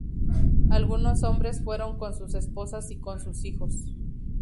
Algunos hombres fueron con sus esposas y con sus hijos.